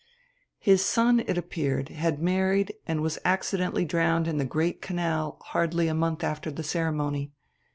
"His son, it appeared, had married and was accidentally drowned in the Great Canal hardly a month after the ceremony.